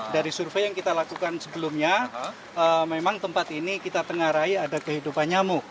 dari survei yang kita lakukan sebelumnya memang tempat ini kita tengah rai ada kehidupan nyamuk